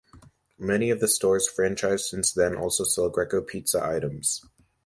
Many of the stores franchised since then also sell Greco Pizza items.